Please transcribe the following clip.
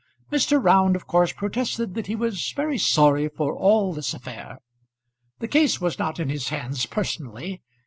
Mr. Round of course protested that he was very sorry for all this affair. The case was not in his hands personally.